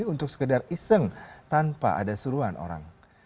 untuk sekedar iseng tanpa ada seruan orang